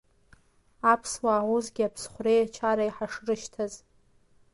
Аԥсуаа усгьы аԥсхәреи ачареи ҳашрышьҭаз…